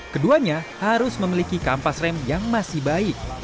keduanya harus memiliki kampas rem yang masih baik